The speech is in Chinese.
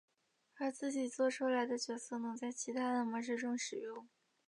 而自己作出来的角色能在其他的模式中使用。